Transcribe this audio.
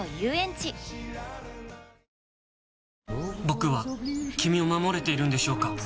僕は君を守れているんでしょうか？